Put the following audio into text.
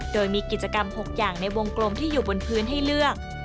โดยมีกิจกรรม๖อย่างในวงกลมที่อยู่บนพื้นให้เลือก